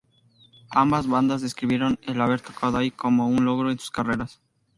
Ambas bandas describieron el haber tocado ahí como un logro en sus carreras.